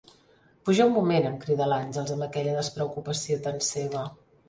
Puja un moment! –em crida l'Àngels, amb aquella despreocupació tan seva.